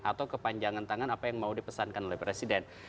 atau kepanjangan tangan apa yang mau dipesankan oleh presiden